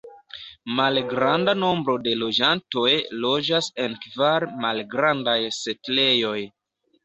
Malgranda nombro de loĝantoj loĝas en kvar malgrandaj setlejoj.